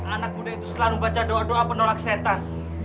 anak muda itu selalu baca doa doa penolak setan